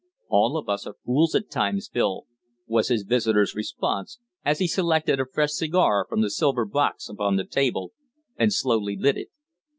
"All of us are fools at times, Phil," was his visitor's response, as he selected a fresh cigar from the silver box upon the table and slowly lit it.